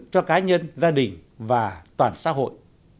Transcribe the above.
cho cá nhân gia đình và toàn xã hội